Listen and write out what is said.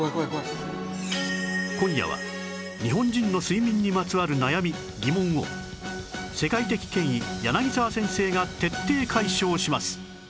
今夜は日本人の睡眠にまつわる悩み・疑問を世界的権威柳沢先生が徹底解消します